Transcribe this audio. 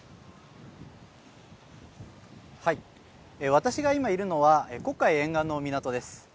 私が今いるのは黒海沿岸の港です。